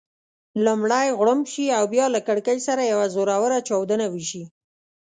لومړی غړومب شي او بیا له کړېکې سره یوه زوروره چاودنه وشي.